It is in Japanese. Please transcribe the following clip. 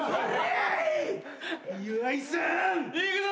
岩井さん！いくぞ！